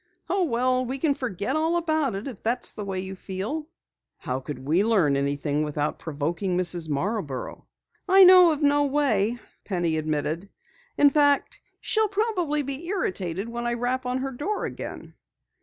"Oh, well, we can forget all about it if that's the way you feel." "How could we learn anything without provoking Mrs. Marborough?" "I know of no way," Penny admitted. "In fact, she'll probably be irritated when I rap on her door again."